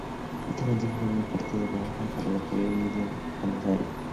Esta estación formaba parte del otrora Ferrocarril Midland de Buenos Aires.